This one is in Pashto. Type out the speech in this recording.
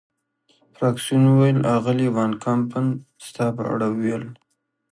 فرګوسن وویل: اغلې وان کمپن ستا په اړه ویل.